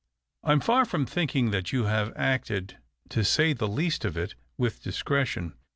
" I am far from thinking that you have acted, to say the least of it, with discretion.